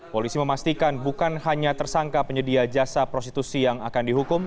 polisi memastikan bukan hanya tersangka penyedia jasa prostitusi yang akan dihukum